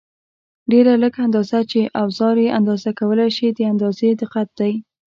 ډېره لږه اندازه چې اوزار یې اندازه کولای شي د اندازې دقت دی.